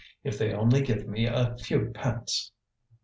If they only give me a few pence!"